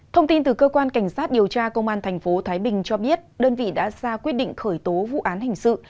thông tin từ cơ quan cảnh sát điều tra công an tp thái bình cho biết đơn vị đã ra quyết định khởi tố vụ án hình sự